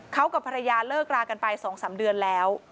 เขากับภรรยาเลิกรากันไป๒๓เดือนแล้ว